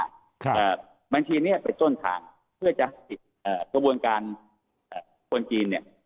ครับบัญชีเนี่ยเป็นต้นทางเพื่อจะเอ่อกระบวนการคนจีนเนี่ย